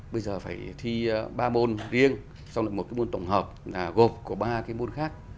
bây giờ phải thi ba môn riêng xong rồi một cái môn tổng hợp gồm của ba cái môn khác